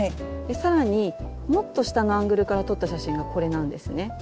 更にもっと下のアングルから撮った写真がこれなんですね。